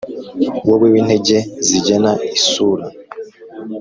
wowe wintege zigena isura